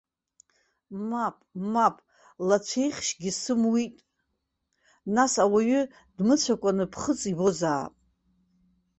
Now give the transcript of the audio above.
Мап, мап, лацәеихьшьгьы сымуит, нас, ауаҩы дмыцәакәангьы ԥхыӡ ибозаап.